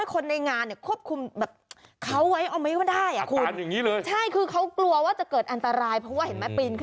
คนนี้ตอนแรกเริ่มมีอาการตัวสั่น